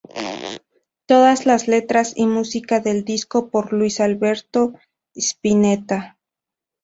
Todas las letras y música del disco por Luis Alberto Spinetta.